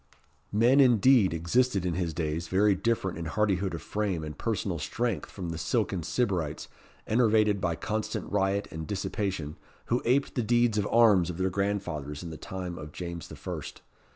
Men indeed, existed in his days, very different in hardihood of frame and personal strength from the silken sybarites, enervated by constant riot and dissipation, who aped the deeds of arms of their grandfathers in the time of James the First.